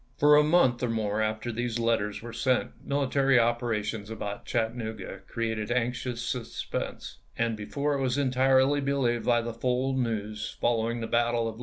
For a month or more after these letters were sent military operations about Chattanooga created anxious suspense ; and before it was entirely re TENNESSEE FEEE 443 lieved by the full news following the battle of ch.